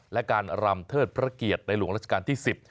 และการรำเทิดพระเกียรติในหลวงราชการที่๑๐